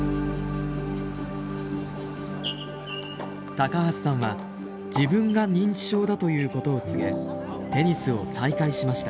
高橋さんは自分が認知症だということを告げテニスを再開しました。